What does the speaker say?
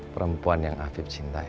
perempuan yang afif cintai